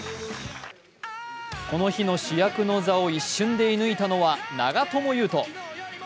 この日の主役の座を一瞬で射ぬいたのは、長友佑都。